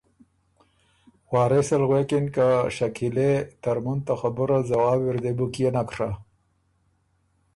وارث ال غوېکِن که ”شکیلے! ترمُن ته خبُره ځواب اِر دې بو کيې نک ڒۀ؟“